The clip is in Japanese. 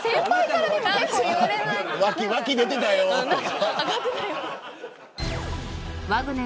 脇出てたよとか。